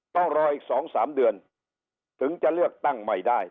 ต้องรออีก๒๓เดือนถึงจะเลือกตั้งใหม่ได้